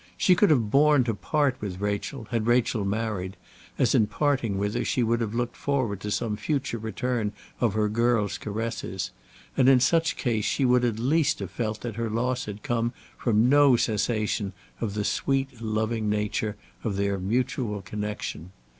She could have borne to part with Rachel, had Rachel married, as in parting with her she would have looked forward to some future return of her girl's caresses; and in such case she would at least have felt that her loss had come from no cessation of the sweet loving nature of their mutual connexion.